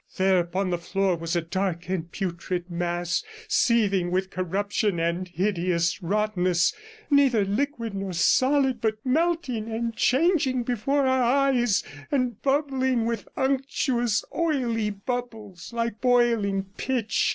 There upon the floor was a dark and putrid mass, seething with corruption and hideous rottenness, neither liquid nor solid, but melting and changing before our eyes, and bubbling with unctuous oily bubbles like boiling pitch.